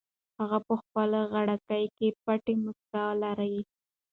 هغه په خپلې غړکۍ کې پټه موسکا لري.